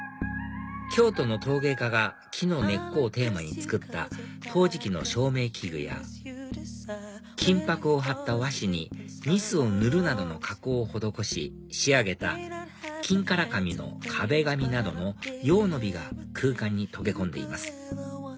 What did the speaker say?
京都の陶芸家が木の根っこをテーマに作った陶磁器の照明器具や金箔を貼った和紙にニスを塗るなどの加工を施し仕上げた金唐紙の壁紙なども用の美が空間に溶け込んでいます